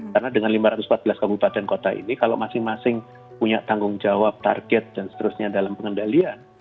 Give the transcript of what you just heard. karena dengan lima ratus empat belas kabupaten kota ini kalau masing masing punya tanggung jawab target dan seterusnya dalam pengendalian